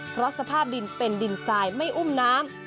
เพราะสภาพดินเป็นดินทรายไม่อุ้มน้ำ